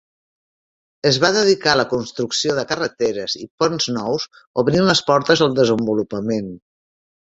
Es va dedicar a la construcció de carreteres i ponts nous, obrint les portes al desenvolupament.